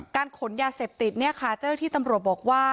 ขนยาเสพติดเนี่ยค่ะเจ้าที่ตำรวจบอกว่า